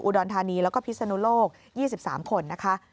รธานีแล้วก็พิศนุโลก๒๓คนนะคะ